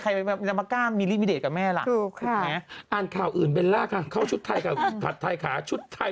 ในถ้าในตึกไม่เคยมีพิษส่งกับแม่ใช่ไหม